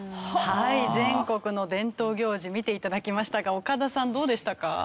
全国の伝統行事見て頂きましたが岡田さんどうでしたか？